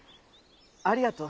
ありがとう。